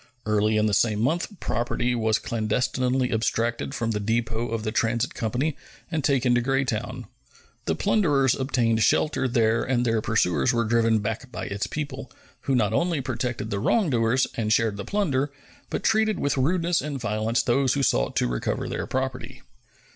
Early in the same month property was clandestinely abstracted from the depot of the Transit Company and taken to Greytown. The plunderers obtained shelter there and their pursuers were driven back by its people, who not only protected the wrongdoers and shared the plunder, but treated with rudeness and violence those who sought to recover their property.